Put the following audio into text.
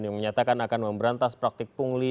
yang menyatakan akan memberantas praktik pungli